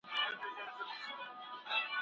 اوس خلګ د فقر په اړه څه وايي؟